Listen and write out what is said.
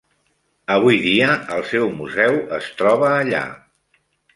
Avui dia el seu museu es troba allà.